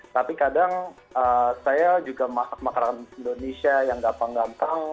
tapi kadang saya juga masak makanan indonesia yang gampang gampang